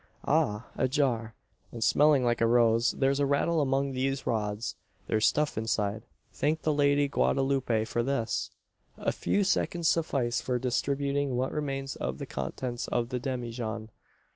Ah! a jar. And smelling like a rose! There's a rattle among these rods. There's stuff inside. Thank the Lady Guadaloupe for this!" A few seconds suffice for distributing what remains of the contents of the demijohn.